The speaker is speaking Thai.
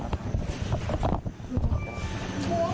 หลังจากที่สุดยอดเย็นหลังจากที่สุดยอดเย็น